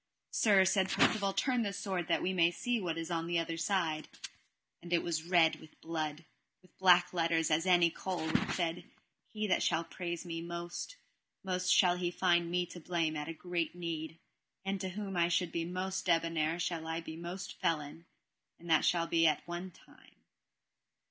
Sir, said Percivale, turn this sword that we may see what is on the other side. And it was red as blood, with black letters as any coal, which said: He that shall praise me most, most shall he find me to blame at a great need; and to whom I should be most debonair shall I be most felon, and that shall be at one time.